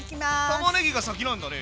たまねぎが先なんだね。